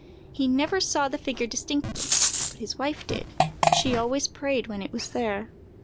He never saw the figure distinctly, but his wife did: she always prayed when it was there.